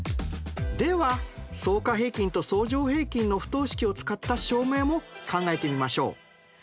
では相加平均と相乗平均の不等式を使った証明も考えてみましょう。